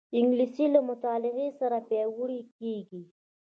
انګلیسي له مطالعې سره پیاوړې کېږي